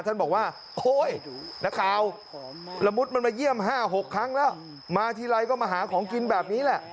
ท่านบอกว่าโอ๊ยนักข่าวละมุดมันมาเยี่ยม๕๖ครั้งแล้วมาทีไรก็มาหาของกินแบบนี้แหละ